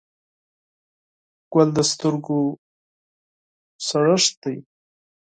ګل د سترګو سړښت دی.